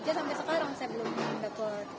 terus yang sisa tiga sampai sekarang saya belum dapat kabar